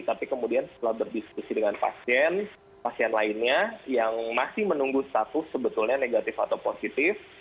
tapi kemudian setelah berdiskusi dengan pasien pasien lainnya yang masih menunggu status sebetulnya negatif atau positif